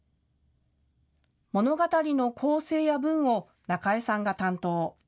物語の構成や文をなかえさんが担当。